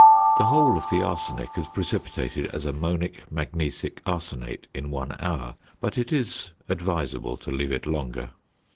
The whole of the arsenic is precipitated as ammonic magnesic arsenate in one hour, but it is advisable to leave it longer.